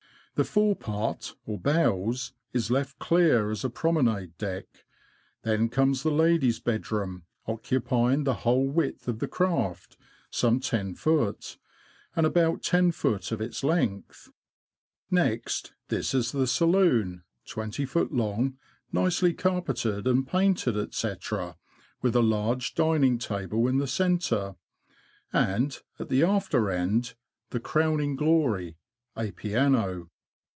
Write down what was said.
The fore part, or bows, is left clear as a promenade deck ; then comes the ladies' bedroom, occupying the whole width of the craft (some loft.), and about I oft. of its length; next this is the saloon, 20ft. long, nicely carpeted and painted, &c., with a large dining table in the centre, and, at the after end, the crowning glory — a piano.